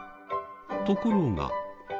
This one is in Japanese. ところが。